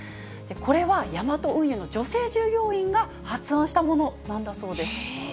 これは、ヤマト運輸の女性従業員が発案したものなんだそうです。